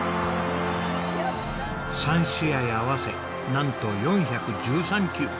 ３試合合わせなんと４１３球。